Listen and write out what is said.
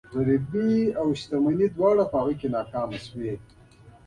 غريبي او شتمني دواړه په هغه کې ناکامې شوي.